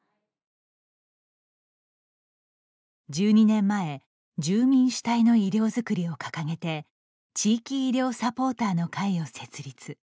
１２年前住民主体の医療作りを掲げて地域医療サポーターの会を設立。